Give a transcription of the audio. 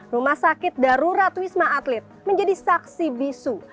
rumah sakit darurat wisma atlet menjadi saksi bisu